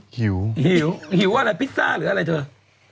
หิวหิวหิวอะไรพิซซ่าหรืออะไรเธอ